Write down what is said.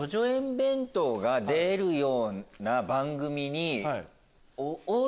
弁当が出るような番組に。